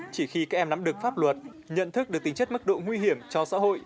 chỉ khi các em nắm được pháp luật nhận thức được tính chất mức độ nguy hiểm cho xã hội